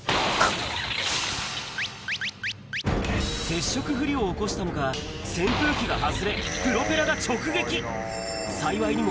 接触不良を起こしたのか、扇風機が外れ、プロペラが直撃。